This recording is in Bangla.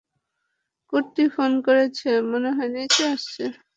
কুট্টি ফোন করেছে, মনে হয় নিচে আছে।